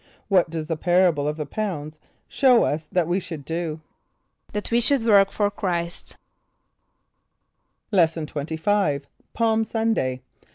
= What does the parable of the Pounds show us that we should do? =That we should work for Chr[=i]st.= Lesson XXV. Palm Sunday.